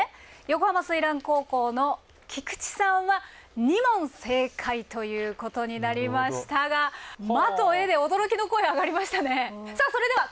横浜翠嵐高校の菊地さんは２問正解ということになりましたが「ま」と「ゑ」で驚きの声上がりましたね。